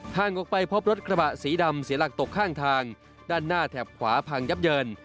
ห่างออกไปพบรถกระบะสีดำเสียหลักตกข้างทางด้านหน้าแถบขวาพังยับเยิน